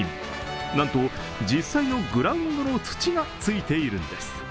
なんと実際のグラウンドの土がついているんです。